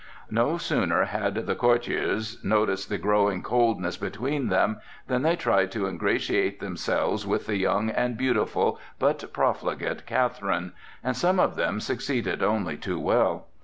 No sooner had the courtiers noticed the growing coldness between them than they tried to ingratiate themselves with the young and beautiful but profligate Catherine, and some of them succeeded only too well.